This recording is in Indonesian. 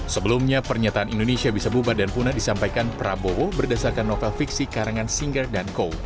sebelumnya pernyataan indonesia bisa bubar dan punah disampaikan prabowo berdasarkan novel fiksi karangan singer dan co